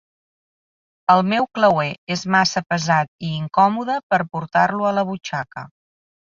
El meu clauer és massa pesat i incòmode per portar-lo a la butxaca.